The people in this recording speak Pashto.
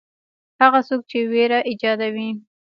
هغه څوک چې وېره ایجادوي.